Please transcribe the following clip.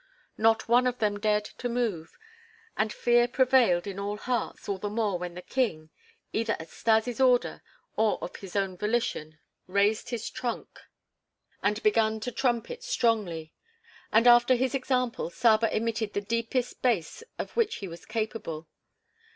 Not one of them dared to move, and fear prevailed in all hearts all the more when the King, either at Stas' order or of his own volition, raised his trunk and began to trumpet strongly; and after his example Saba emitted the deepest bass of which he was capable.